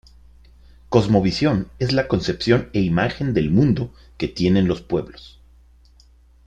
Cosmovisión es la concepción e imagen del mundo que tienen los pueblos.